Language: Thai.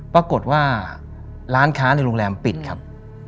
ปรากฏว่าร้านค้าในโรงแรมปิดครับ